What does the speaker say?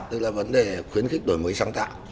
tức là vấn đề khuyến khích đổi mới sáng tạo